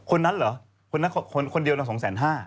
คนนั้นเหรอคนเดียวหนัง๒๕๐๐๐๐